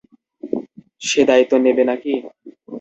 সে দায়িত্ব নিবে না কী?